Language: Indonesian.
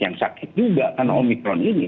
yang sakit juga karena omikron ini